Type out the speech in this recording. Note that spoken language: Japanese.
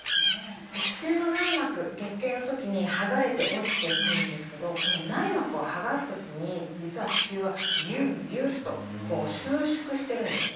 子宮の内膜月経のときにはがれて落ちてくるんですけどこの内膜をはがすときに実は子宮はギュッギュッと収縮してるんですね。